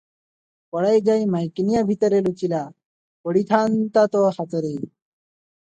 ପଳାଇଯାଇ ମାଈକିନିଆ ଭିତରେ ଲୁଚିଲା, ପଡ଼ିଥାଆନ୍ତା ତ ହାତରେ!